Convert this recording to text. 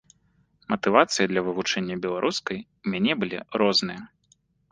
Матывацыі для вывучэння беларускай у мяне былі розныя.